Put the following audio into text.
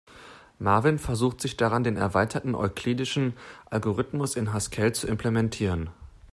Marvin versucht sich daran, den erweiterten euklidischen Algorithmus in Haskell zu implementieren.